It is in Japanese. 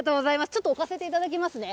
ちょっと置かせていただきますね。